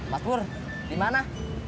mas bur di mana